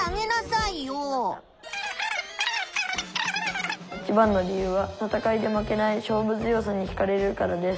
「いちばんの理由は戦いで負けない勝負強さにひかれるからです。